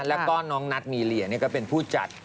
แล้วก็น้องนัทมีเลียก็เป็นผู้จัด